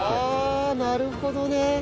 ああなるほどね。